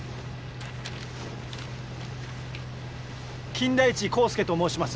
金田一耕助と申します。